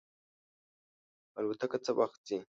الوتکه څه وخت ځي؟